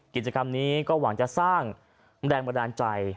กิจกรรมนี้ก็หวังจะสร้างแรงบันดาลใจ